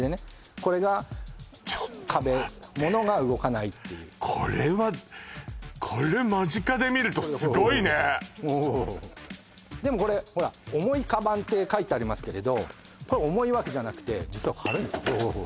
これがちょっと待って壁物が動かないっていうこれはおおうでもこれほら「重いカバン」って書いてありますけれどこれ重いわけじゃなくて実は軽いんです